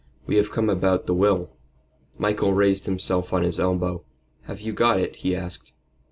"We have come about the will." Michael raised himself on his elbow. "Have you got it?" he asked.